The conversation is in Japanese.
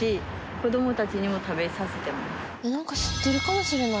なんか知ってるかもしれない。